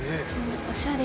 おしゃれ。